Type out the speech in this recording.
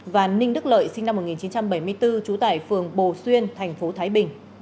và ninh đức lợi sinh năm một nghìn chín trăm bảy mươi bốn chú tải phường bồ xuyên tp thái bình